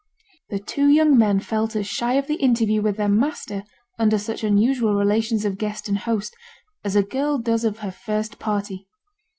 The two young men felt as shy of the interview with their master under such unusual relations of guest and host, as a girl does of her first party.